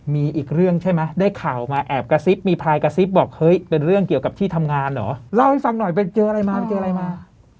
มีอีกเรื่องใช่ไหมได้ข่าวมาแอบกระซิบมีพายกระซิบบอกเฮ้ยเป็นเรื่องเกี่ยวกับที่ทำงานเหรอเล่าให้ฟังหน่อยไปเจออะไรมาไปเจออะไรมา